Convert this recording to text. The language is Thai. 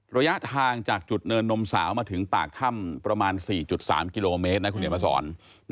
ระยะทางจากจุดเนินนมสาวมาถึงปากถ้ำประมาณ๔๓กิโลเมตรนะคุณเขียนมาสอน